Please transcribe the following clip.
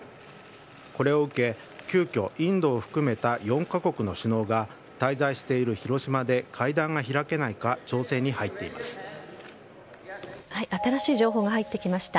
これを受け、急きょインドを含めた４カ国の首脳が滞在している広島で会談が開けないか新しい情報が入ってきました。